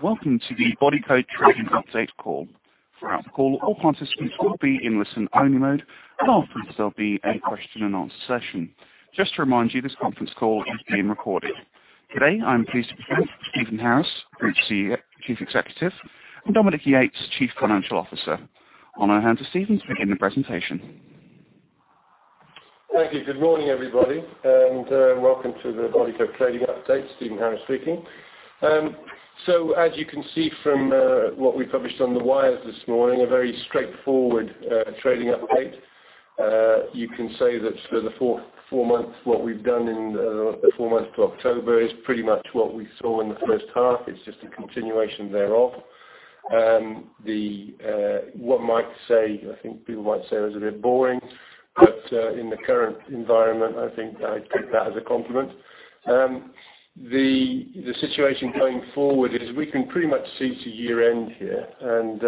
Welcome to the Bodycote Trading Update Call. Throughout the call, all participants will be in listen-only mode, and afterwards there'll be a question-and-answer session. Just to remind you, this conference call is being recorded. Today I'm pleased to present Stephen Harris, Group Chief Executive, and Dominique Yates, Chief Financial Officer. I'll now hand to Stephen to begin the presentation. Thank you. Good morning, everybody, and welcome to the Bodycote Trading Update, Stephen Harris speaking. So as you can see from what we published on the wires this morning, a very straightforward trading update. You can say that for the four-month what we've done in the four months to October is pretty much what we saw in the first half. It's just a continuation thereof. What some say, I think people might say was a bit boring, but in the current environment, I'd take that as a compliment. The situation going forward is we can pretty much see to year-end here, and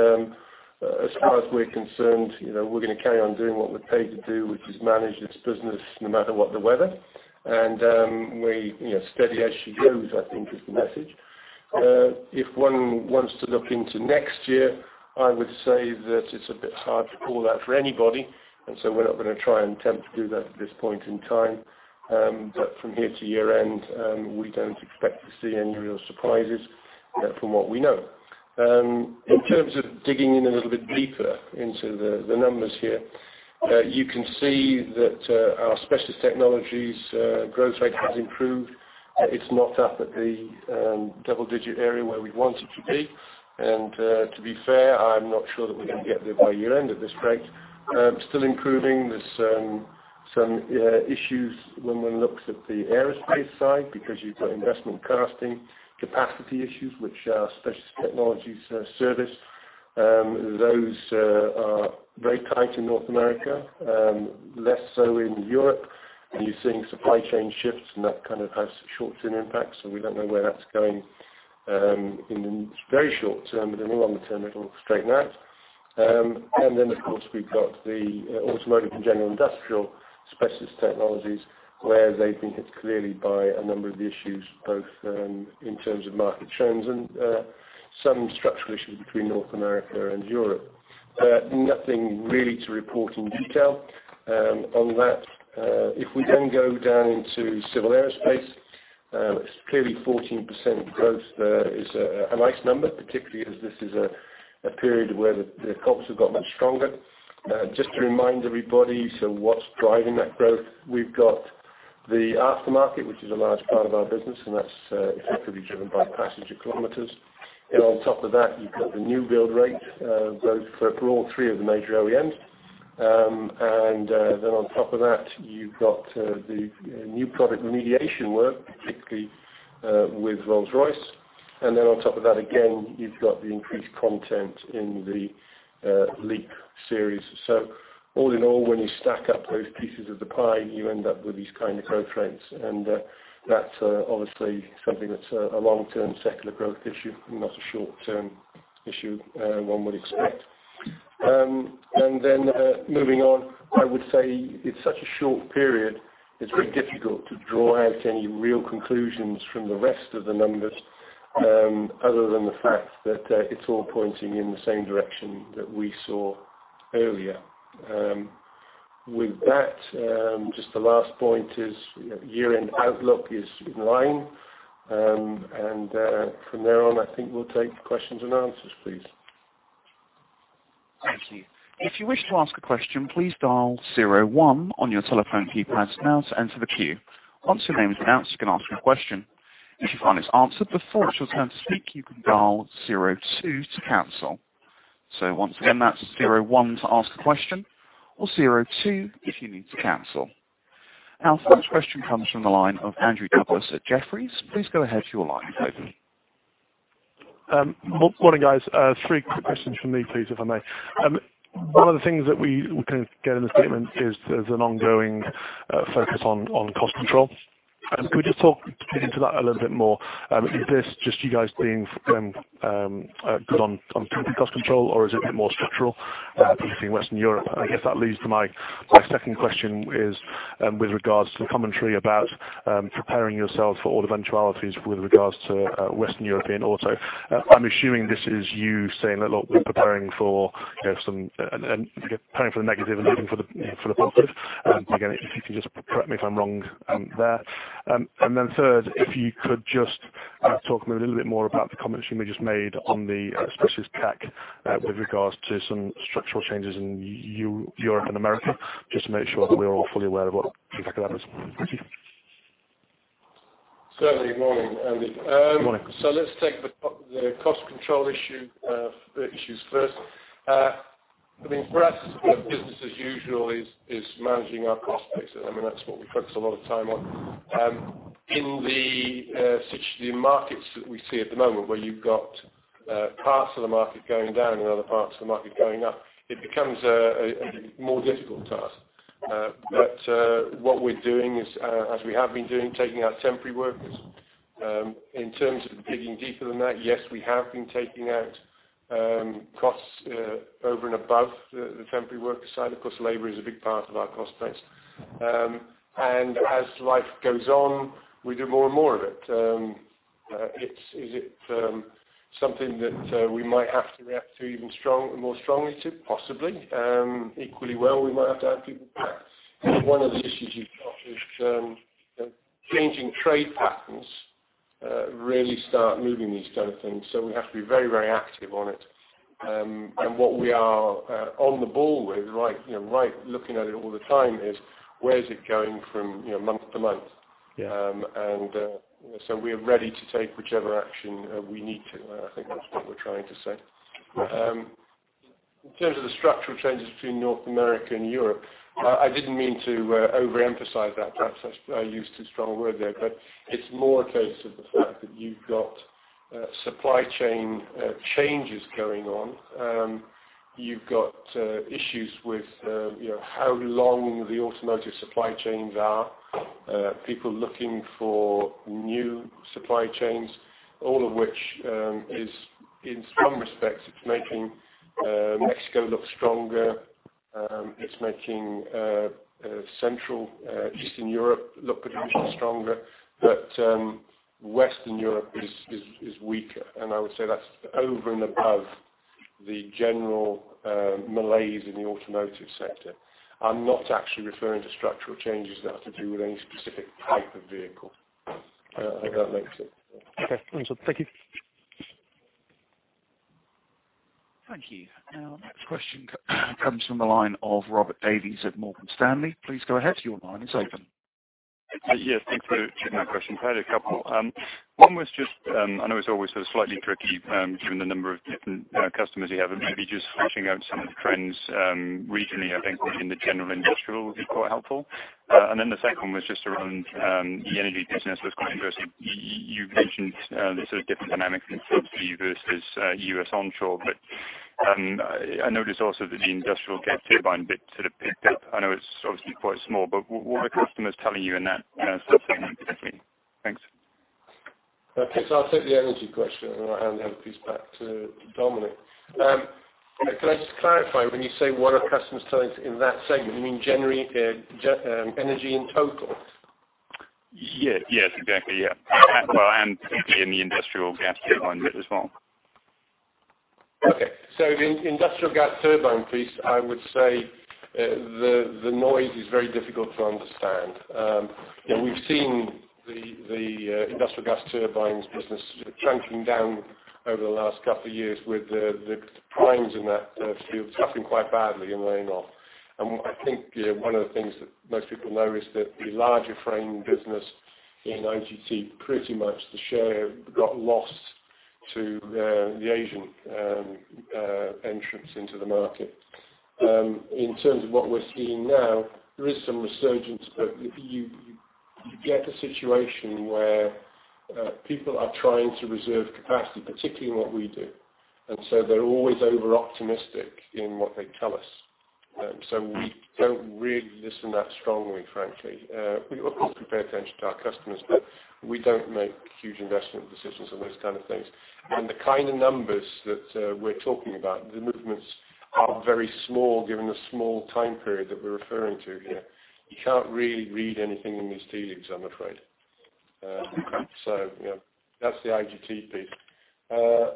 as far as we're concerned, we're going to carry on doing what we're paid to do, which is manage this business no matter what the weather, and steady as she goes, I think, is the message. If one wants to look into next year, I would say that it's a bit hard to call that for anybody, and so we're not going to try and attempt to do that at this point in time. But from here to year-end, we don't expect to see any real surprises from what we know. In terms of digging in a little bit deeper into the numbers here, you can see that our Specialist Technologies growth rate has improved. It's not up at the double-digit area where we'd want it to be, and to be fair, I'm not sure that we're going to get there by year-end at this rate. Still improving. There's some issues when one looks at the aerospace side because you've got investment casting, capacity issues, which our Specialist Technologies service. Those are very tight in North America, less so in Europe, and you're seeing supply chain shifts, and that kind of has short-term impacts, so we don't know where that's going in the very short term, but in the longer term, it'll straighten out. And then, of course, we've got the Automotive and General Industrial Specialist Technologies where they've been hit clearly by a number of issues, both in terms of market trends and some structural issues between North America and Europe. Nothing really to report in detail on that. If we then go down into Civil Aerospace, it's clearly 14% growth is a nice number, particularly as this is a period where the OEMs have got much stronger. Just to remind everybody, so what's driving that growth? We've got the aftermarket, which is a large part of our business, and that's effectively driven by passenger kilometers. And on top of that, you've got the new build rate, both for all three of the major OEMs. And then on top of that, you've got the new product remediation work, particularly with Rolls-Royce. And then on top of that, again, you've got the increased content in the LEAP series. So all in all, when you stack up those pieces of the pie, you end up with these kind of growth rates, and that's obviously something that's a long-term secular growth issue and not a short-term issue one would expect. And then moving on, I would say it's such a short period, it's very difficult to draw out any real conclusions from the rest of the numbers other than the fact that it's all pointing in the same direction that we saw earlier. With that, just the last point is year-end outlook is in line, and from there on, I think we'll take questions and answers, please. Thank you. If you wish to ask a question, please dial 01 on your telephone keypad now to enter the queue. Once your name is announced, you can ask a question. If you find it's answered before it's your turn to speak, you can dial 02 to cancel. So once again, that's 01 to ask a question or 02 if you need to cancel. Our first question comes from the line of Andrew Douglas at Jefferies. Please go ahead, your line's open. Morning, guys. Three quick questions from me, please, if I may. One of the things that we can get in the statement is there's an ongoing focus on cost control. Can we just talk into that a little bit more? Is this just you guys being good on temp cost control, or is it a bit more structural? I think you're seeing Western Europe. I guess that leads to my second question is with regards to the commentary about preparing yourselves for all eventualities with regards to Western European auto. I'm assuming this is you saying, "Look, we're preparing for some " preparing for the negative and looking for the positive. Again, if you can just correct me if I'm wrong there. Third, if you could just talk maybe a little bit more about the comments you may have just made on the Specialist Tech with regards to some structural changes in Europe and America just to make sure that we're all fully aware of what exactly that means. Thank you. Certainly. Morning, Andy. Morning. Let's take the cost control issues first. I mean, for us, business as usual is managing our cost base. I mean, that's what we focus a lot of time on. In the markets that we see at the moment where you've got parts of the market going down and other parts of the market going up, it becomes a more difficult task. But what we're doing is, as we have been doing, taking out temporary workers. In terms of digging deeper than that, yes, we have been taking out costs over and above the temporary worker side. Of course, labor is a big part of our cost base. And as life goes on, we do more and more of it. Is it something that we might have to react to even more strongly to? Possibly. Equally well, we might have to add people back. One of the issues you've got is changing trade patterns really start moving these kind of things, so we have to be very, very active on it. And what we are on the ball with, right looking at it all the time, is where's it going from month to month? And so we are ready to take whichever action we need to. I think that's what we're trying to say. In terms of the structural changes between North America and Europe, I didn't mean to overemphasize that perhaps. I used too strong a word there, but it's more a case of the fact that you've got supply chain changes going on. You've got issues with how long the automotive supply chains are, people looking for new supply chains, all of which is, in some respects, it's making Mexico look stronger. It's making Central Eastern Europe look potentially stronger, but Western Europe is weaker. I would say that's over and above the general malaise in the automotive sector. I'm not actually referring to structural changes that have to do with any specific type of vehicle, if that makes sense. Okay. Answer. Thank you. Thank you. Our next question comes from the line of Robert Davies at Morgan Stanley. Please go ahead. Your line is open. Yes. Thanks for choosing that question. I had a couple. One was just I know it's always sort of slightly tricky given the number of different customers you have, but maybe just fleshing out some of the trends regionally, I think, in the general industrial would be quite helpful. And then the second was just around the energy business. That's quite interesting. You've mentioned the sort of different dynamics in subsea versus U.S. onshore, but I noticed also that the industrial gas turbine bit sort of picked up. I know it's obviously quite small, but what were customers telling you in that subsegment, briefly? Thanks. Okay. So I'll take the energy question, and I'll hand that piece back to Dominique. Can I just clarify? When you say what are customers telling us in that segment, you mean energy in total? Yes. Yes. Exactly. Yeah. Well, and particularly in the industrial gas turbine bit as well. Okay. So the industrial gas turbine piece, I would say the noise is very difficult to understand. We've seen the industrial gas turbines business chunking down over the last couple of years with the primes in that field suffering quite badly and laying off. And I think one of the things that most people know is that the larger frame business in IGT, pretty much the share got lost to the Asian entrants into the market. In terms of what we're seeing now, there is some resurgence, but you get a situation where people are trying to reserve capacity, particularly in what we do, and so they're always overoptimistic in what they tell us. So we don't really listen that strongly, frankly. We of course pay attention to our customers, but we don't make huge investment decisions on those kind of things. And the kind of numbers that we're talking about, the movements are very small given the small time period that we're referring to here. You can't really read anything in these tea leaves, I'm afraid. So that's the IGT piece.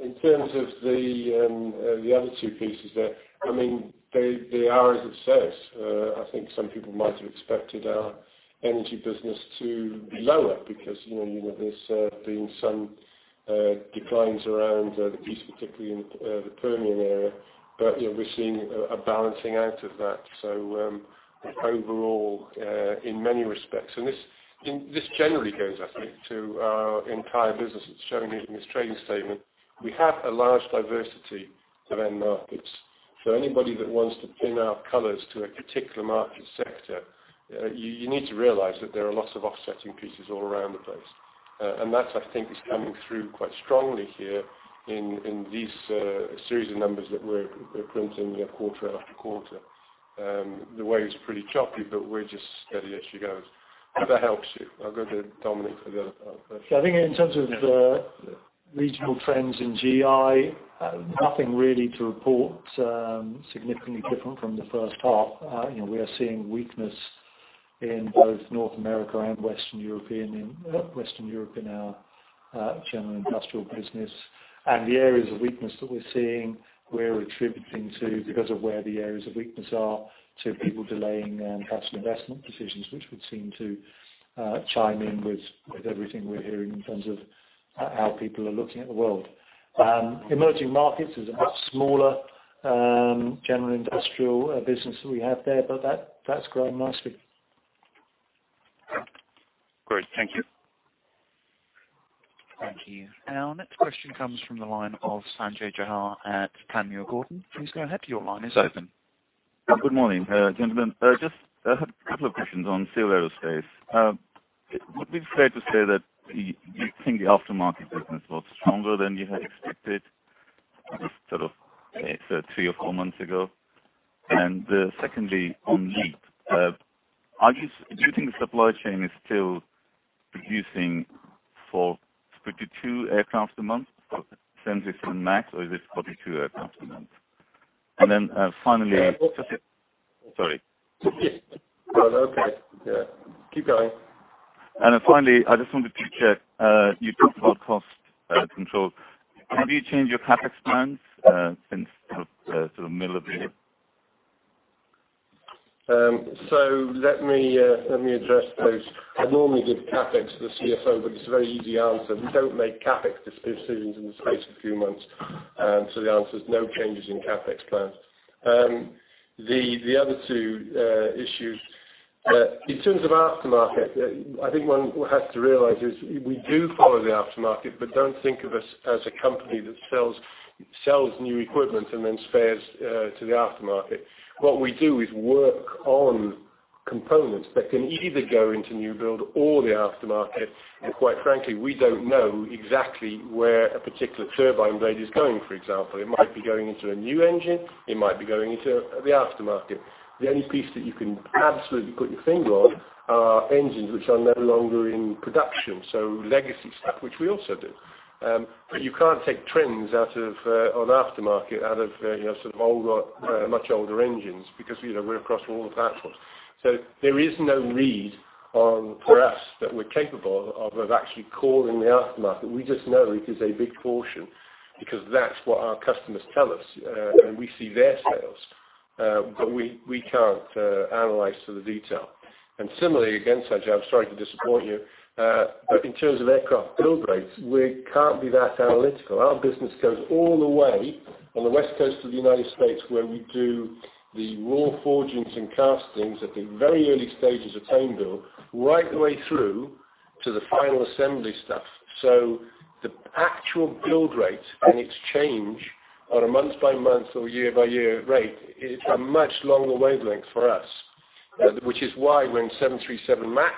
In terms of the other two pieces there, I mean, they are as it says. I think some people might have expected our energy business to be lower because there's been some declines around the piece, particularly in the Permian area, but we're seeing a balancing out of that. So overall, in many respects and this generally goes, I think, to our entire business. It's showing it in this trading statement. We have a large diversity of end markets. So anybody that wants to pin our colors to a particular market sector, you need to realize that there are lots of offsetting pieces all around the place. That, I think, is coming through quite strongly here in this series of numbers that we're printing quarter after quarter. The wave's pretty choppy, but we're just steady as she goes. If that helps you, I'll go to Dominique for the other part. So I think in terms of regional trends in AGI, nothing really to report significantly different from the first half. We are seeing weakness in both North America and Western Europe in our general industrial business. And the areas of weakness that we're seeing, we're attributing to, because of where the areas of weakness are, to people delaying past investment decisions, which would seem to chime in with everything we're hearing in terms of how people are looking at the world. Emerging markets is a much smaller general industrial business that we have there, but that's growing nicely. Great. Thank you. Thank you. Our next question comes from the line of Sanjay Jha at Panmure Gordon. Please go ahead. Your line is open. Good morning, gentlemen. Just a couple of questions on Civil Aerospace. Would be fair to say that you think the aftermarket business was stronger than you had expected sort of three or four months ago? And secondly, on LEAP, do you think the supply chain is still producing for 42 aircraft a month, 737 MAX, or is it 42 aircraft a month? And then finally, just sorry. Oh, no. Okay. Yeah. Keep going. Then finally, I just wanted to check. You talked about cost control. Have you changed your CAPEX plans since sort of the middle of the year? So let me address those. I normally give CAPEX to the CFO, but it's a very easy answer. We don't make CAPEX decisions in the space of a few months, so the answer's no changes in CAPEX plans. The other two issues, in terms of aftermarket, I think one has to realize is we do follow the aftermarket but don't think of us as a company that sells new equipment and then spares to the aftermarket. What we do is work on components that can either go into new build or the aftermarket. And quite frankly, we don't know exactly where a particular turbine blade is going, for example. It might be going into a new engine. It might be going into the aftermarket. The only piece that you can absolutely put your finger on are engines which are no longer in production, so legacy stuff, which we also do. But you can't take trends on aftermarket out of sort of much older engines because we're across all the platforms. So there is no read for us that we're capable of actually calling the aftermarket. We just know it is a big portion because that's what our customers tell us, and we see their sales, but we can't analyze to the detail. And similarly, again, Sanjay, I'm sorry to disappoint you, but in terms of aircraft build rates, we can't be that analytical. Our business goes all the way on the West Coast of the United States where we do the raw forgings and castings at the very early stages of airframe build right the way through to the final assembly stuff. So the actual build rate and its change on a month-by-month or year-by-year rate, it's a much longer wavelength for us, which is why when 737 MAX,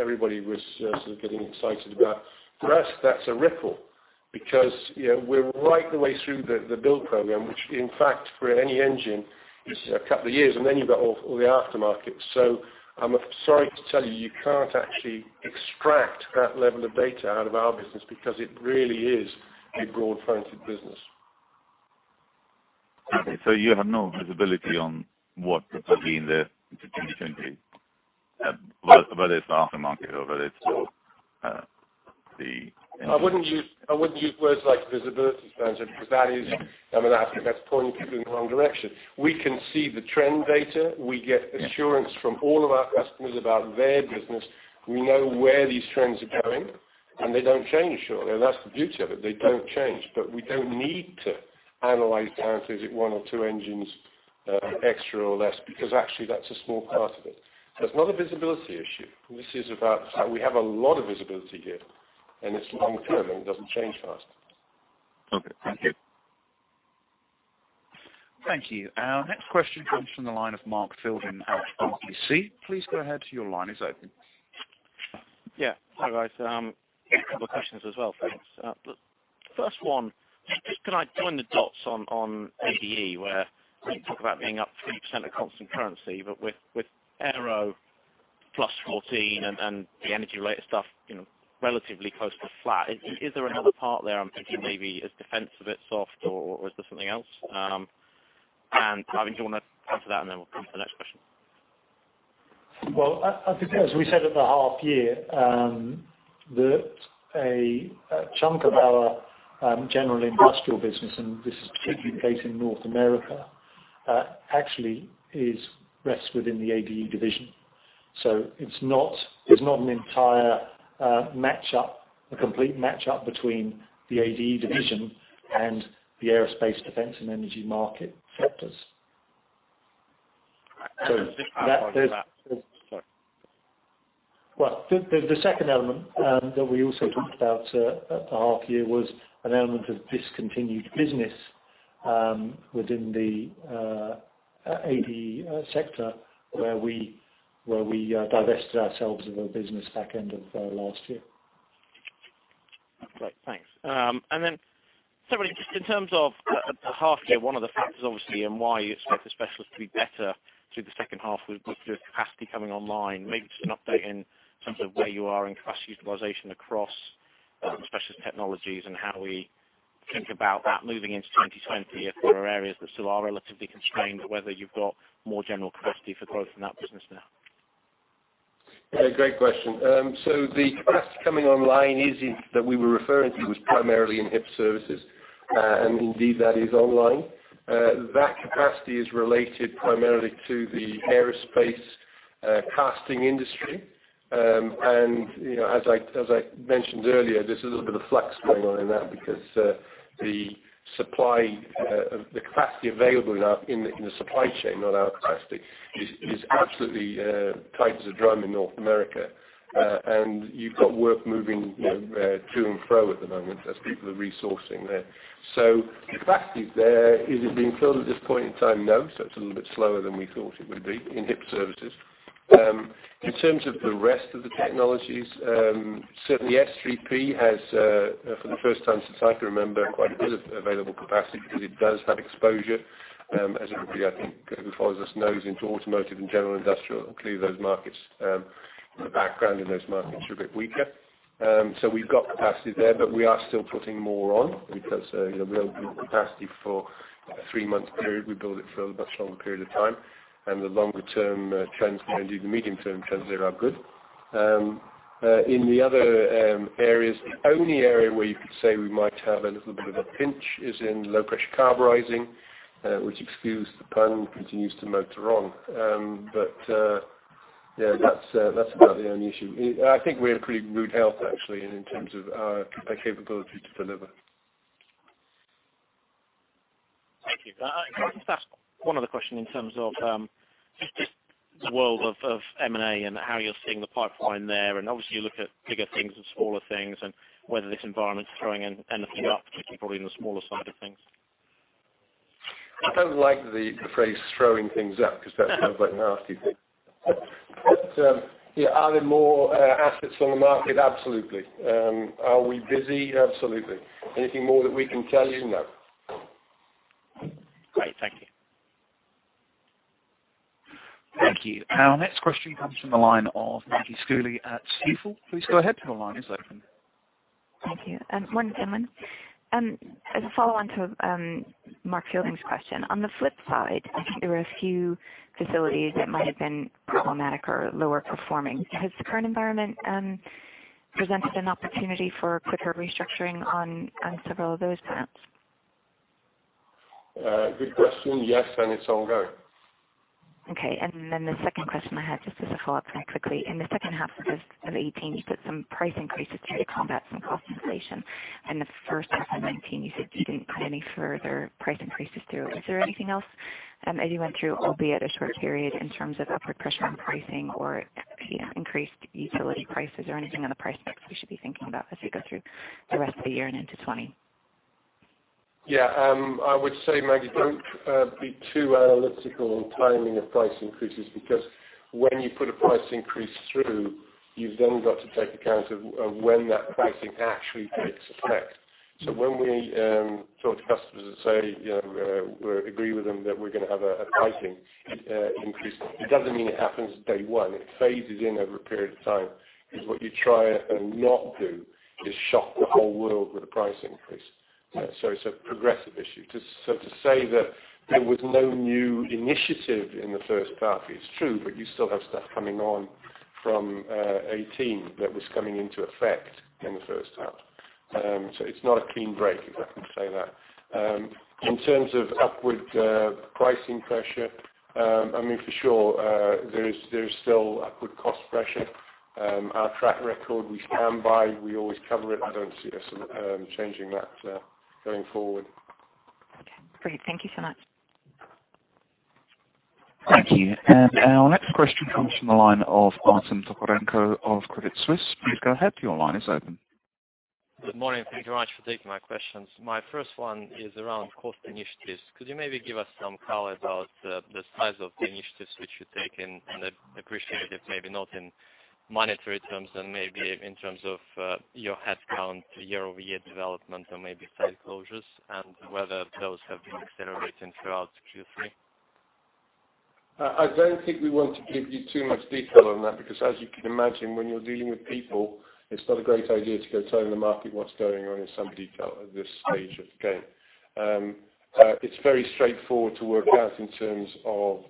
everybody was sort of getting excited about for us, that's a ripple because we're right the way through the build program, which, in fact, for any engine, it's a couple of years, and then you've got all the aftermarket. So I'm sorry to tell you, you can't actually extract that level of data out of our business because it really is a broad-fronted business. Okay. So you have no visibility on what's going to be in the 2020, whether it's the aftermarket or whether it's the engine? I wouldn't use words like visibility, Sanjay, because that's pointing people in the wrong direction. We can see the trend data. We get assurance from all of our customers about their business. We know where these trends are going, and they don't change shortly. That's the beauty of it. They don't change. We don't need to analyze down to, is it one or two engines extra or less? Because actually, that's a small part of it. It's not a visibility issue. This is about the fact we have a lot of visibility here, and it's long-term, and it doesn't change fast. Okay. Thank you. Thank you. Our next question comes from the line of Mark Fielding at RBC. Please go ahead. Your line is open. Yeah. Hi, guys. A couple of questions as well. Thanks. First one, just can I join the dots on ADE where we talk about being up 3% at constant currency, but with aero +14 and the energy-related stuff relatively close to flat, is there another part there I'm thinking maybe it's defense or is it soft or is there something else? And I think you want to answer that, and then we'll come to the next question. Well, I think there's, as we said at the half-year, that a chunk of our general industrial business, and this is particularly the case in North America, actually rests within the ADE division. So it's not an entire match-up, a complete match-up between the ADE division and the Aerospace, Defence & Energy market sectors. So that there's. Sorry. Well, the second element that we also talked about at the half-year was an element of discontinued business within the ADE sector where we divested ourselves of a business back end of last year. Great. Thanks. Then certainly, just in terms of the half-year, one of the factors, obviously, and why you expect the specialist to be better through the second half was with the capacity coming online. Maybe just an update in terms of where you are in capacity utilization across Specialist Technologies and how we think about that moving into 2020 if there are areas that still are relatively constrained, whether you've got more general capacity for growth in that business now? Yeah. Great question. So the capacity coming online that we were referring to was primarily in HIP services, and indeed, that is online. That capacity is related primarily to the aerospace casting industry. And as I mentioned earlier, there's a little bit of flux going on in that because the capacity available in the supply chain, not our capacity, is absolutely tight as a drum in North America. And you've got work moving to and fro at the moment as people are resourcing there. So the capacity's there. Is it being filled at this point in time? No. So it's a little bit slower than we thought it would be in HIP services. In terms of the rest of the technologies, certainly, S3P has, for the first time since I can remember, quite a bit of available capacity because it does have exposure. As everybody, I think, who follows us knows, into Automotive & General Industrial clearly, those markets and the background in those markets are a bit weaker. So we've got capacity there, but we are still putting more on because we'll build capacity for a three-month period. We build it for a much longer period of time. The longer-term trends and indeed the medium-term trends there are good. In the other areas, the only area where you could say we might have a little bit of a pinch is in Low Pressure Carburising, which, excuse the pun, continues to moat the wrong. But yeah, that's about the only issue. I think we're in pretty good health, actually, in terms of our capability to deliver. Thank you. Can I just ask one other question in terms of just the world of M&A and how you're seeing the pipeline there? And obviously, you look at bigger things and smaller things and whether this environment's throwing anything up, particularly probably in the smaller side of things. I don't like the phrase throwing things up because that sounds like an arty thing. But yeah, are there more assets on the market? Absolutely. Are we busy? Absolutely. Anything more that we can tell you? No. Great. Thank you. Thank you. Our next question comes from the line of Maggie Schooley at Stifel. Please go ahead. Your line is open. Thank you. And one gentleman. As a follow-on to Mark Fielding's question, on the flip side, I think there were a few facilities that might have been problematic or lower performing. Has the current environment presented an opportunity for quicker restructuring on several of those plants? Good question. Yes, and it's ongoing. Okay. And then the second question I had, just as a follow-up, very quickly. In the second half of 2018, you put some price increases through to combat some cost inflation. In the first half of 2019, you said you didn't put any further price increases through. Is there anything else, as you went through, albeit a short period, in terms of upward pressure on pricing or increased utility prices or anything on the price specs we should be thinking about as you go through the rest of the year and into 2020? Yeah. I would say, Maggie, don't be too analytical on timing of price increases because when you put a price increase through, you've then got to take account of when that pricing actually takes effect. So when we talk to customers and say we agree with them that we're going to have a pricing increase, it doesn't mean it happens day one. It phases in over a period of time. Because what you try and not do is shock the whole world with a price increase. So it's a progressive issue. So to say that there was no new initiative in the first half, it's true, but you still have stuff coming on from 2018 that was coming into effect in the first half. So it's not a clean break, if I can say that. In terms of upward pricing pressure, I mean, for sure, there is still upward cost pressure. Our track record, we stand by. We always cover it. I don't see us changing that going forward. Okay. Great. Thank you so much. Thank you. Our next question comes from the line of Artem Tokarenko of Credit Suisse. Please go ahead. Your line is open. Good morning. Thank you, guys, for taking my questions. My first one is around cost initiatives. Could you maybe give us some color about the size of the initiatives which you've taken and appreciate it if maybe not in monetary terms and maybe in terms of your headcount year-over-year development or maybe site closures and whether those have been accelerating throughout Q3? I don't think we want to give you too much detail on that because, as you can imagine, when you're dealing with people, it's not a great idea to go telling the market what's going on in some detail at this stage of the game. It's very straightforward to work out in terms of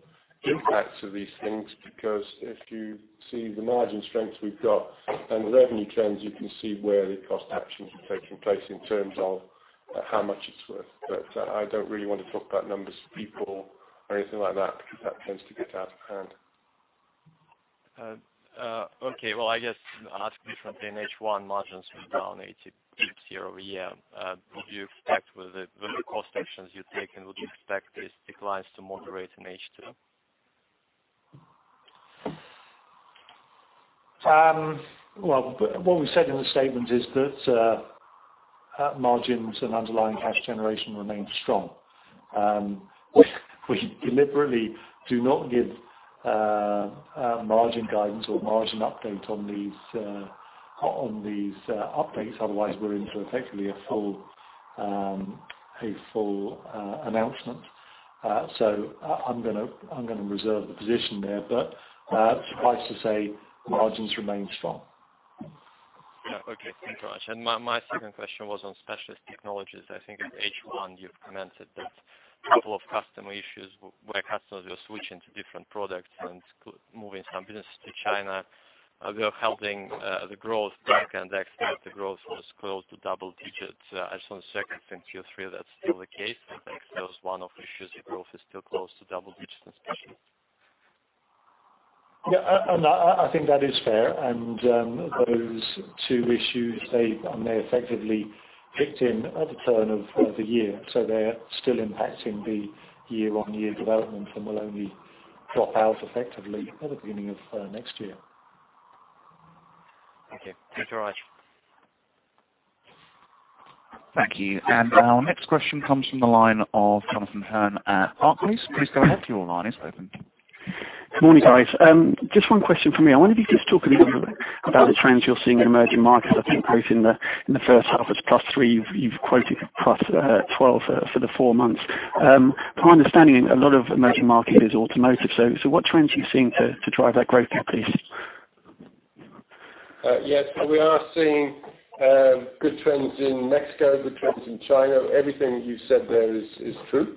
impacts of these things because if you see the margin strengths we've got and the revenue trends, you can see where the cost actions are taking place in terms of how much it's worth. But I don't really want to talk about numbers, people, or anything like that because that tends to get out of hand. Okay. Well, I guess, asking from day one, H1 margins were down 80 pips year-over-year. Would you expect, with the cost actions you've taken, would you expect these declines to moderate in H2? Well, what we said in the statement is that margins and underlying cash generation remain strong. We deliberately do not give margin guidance or margin update on these updates. Otherwise, we're into effectively a full announcement. So I'm going to reserve the position there, but suffice to say margins remain strong. Yeah. Okay. Thank you, guys. And my second question was on Specialist Technologies, I think at H1, you've commented that a couple of customer issues where customers were switching to different products and moving some businesses to China. We were holding the growth back, and the expected growth was close to double digits. I just want to check if in Q3 that's still the case. I think that was one of the issues. The growth is still close to double digits in specialists. Yeah. I think that is fair. Those two issues, they're effectively kicked in at the turn of the year. They're still impacting the year-on-year development and will only drop out effectively at the beginning of next year. Okay. Thank you, guys. Thank you. Our next question comes from the line of Jonathan Hurn at Barclays. Please go ahead. Your line is open. Good morning, guys. Just one question from me. I wonder if you could just talk a little bit about the trends you're seeing in emerging markets. I think both in the first half as +3%, you've quoted +12% for the four months. From my understanding, a lot of emerging market is automotive. So what trends are you seeing to drive that growth, please? Yeah. So we are seeing good trends in Mexico, good trends in China. Everything that you've said there is true.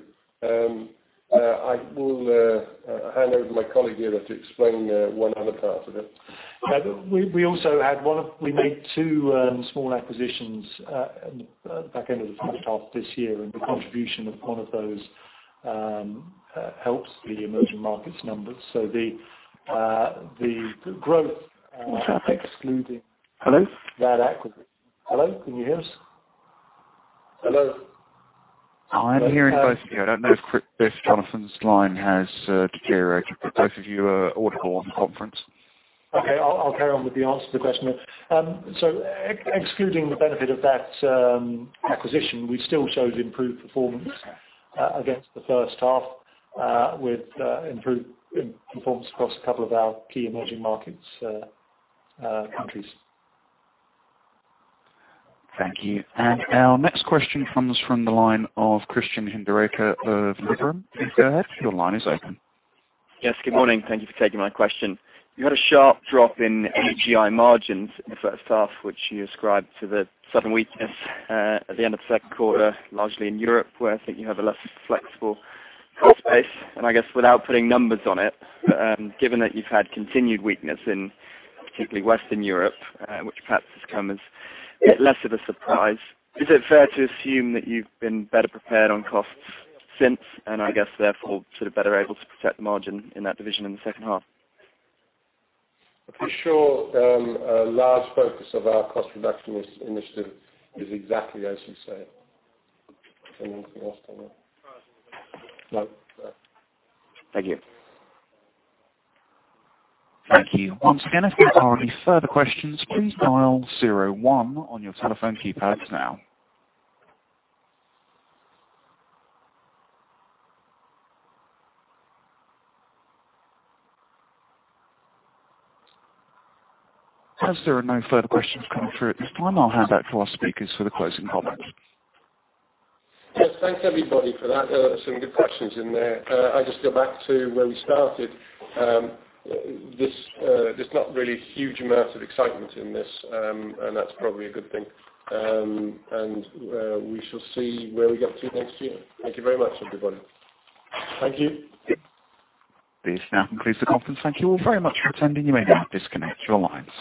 I will hand over to my colleague here to explain one other part of it. We also had. We made two small acquisitions at the back end of the first half of this year, and the contribution of one of those helps the emerging markets numbers. So the growth excluding. Hello? That acquisition. Hello? Can you hear us? Hello. I'm hearing both of you. I don't know if Jonathan's line has deteriorated, but both of you are audible on the conference. Okay. I'll carry on with the answer to the question there. Excluding the benefit of that acquisition, we still showed improved performance against the first half with improved performance across a couple of our key emerging markets countries. Thank you. Our next question comes from the line of Christian Hinderaker of Liberum. Please go ahead. Your line is open. Yes. Good morning. Thank you for taking my question. You had a sharp drop in AGI margins in the first half, which you ascribed to the seasonal weakness at the end of the second quarter, largely in Europe, where I think you have a less flexible space. And I guess without putting numbers on it, given that you've had continued weakness in particularly Western Europe, which perhaps has come as a bit less of a surprise, is it fair to assume that you've been better prepared on costs since and, I guess, therefore sort of better able to protect the margin in that division in the second half? I'm pretty sure a large focus of our cost reduction initiative is exactly as you say. Is there anything else to add? No. Thank you. Thank you. Once again, if there are any further questions, please dial 01 on your telephone keypads now. As there are no further questions coming through at this time, I'll hand back to our speakers for the closing comments. Yes. Thanks, everybody, for that. There were some good questions in there. I'll just go back to where we started. There's not really a huge amount of excitement in this, and that's probably a good thing. And we shall see where we get to next year. Thank you very much, everybody. Thank you. This now concludes the conference. Thank you all very much for attending. You may now disconnect your lines.